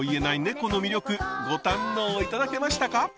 この魅力ご堪能頂けましたか？